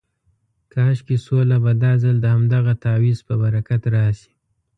کاشکې سوله به دا ځل د همدغه تعویض په برکت راشي.